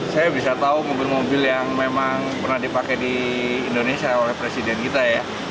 saya bisa tahu mobil mobil yang memang pernah dipakai di indonesia oleh presiden kita ya